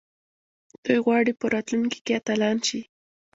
دوی غواړي په راتلونکي کې اتلان شي.